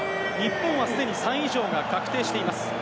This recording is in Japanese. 日本はすでに３位以上が確定しています。